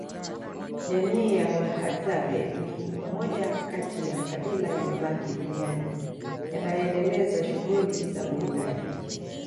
Jamii ya Wahadzabe ni moja kati ya makabila yaliyobaki duniani yanayoendeleza shughuli za uwindaji